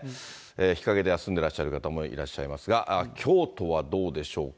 日陰で休んでいらっしゃる方もいらっしゃいますが、京都はどうでしょうか。